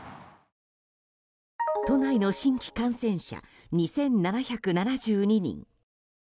都内の新規感染者２７７２人。